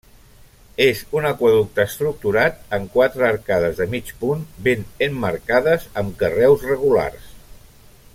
És un aqüeducte estructurat en quatre arcades de mig punt ben emmarcades amb carreus regulars.